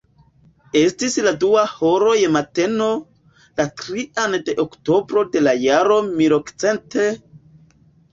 Estis la dua horo je mateno, la trian de oktobro de la jaro milokcent..